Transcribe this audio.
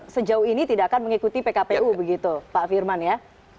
sejauh ini tidak akan mengikuti pkpu begitu pak firman ya